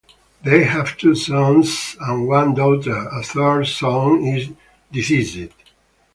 They have two sons and one daughter; a third son is deceased.